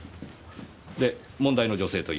で問題の女性というのは？